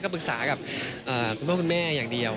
ปรึกษากับคุณพ่อคุณแม่อย่างเดียว